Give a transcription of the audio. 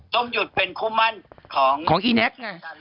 ซมหยุดเป็นคู่มั่นอีไนค์